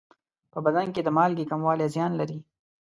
په بدن کې د مالګې کموالی زیان لري.